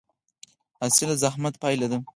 حاصل د زحمت پایله ده؟